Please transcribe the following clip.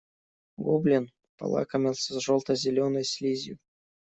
Гоблин полакомился желто-зеленой слизью.